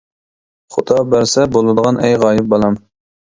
خۇدا بەرسە بولىدىغان ئەي غايىب بالام!